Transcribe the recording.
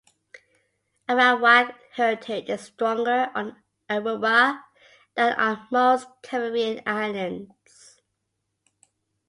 The Arawak heritage is stronger on Aruba than on most Caribbean islands.